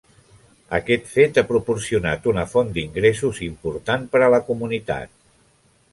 Aquest fet ha proporcionat una font d'ingressos important per a la comunitat.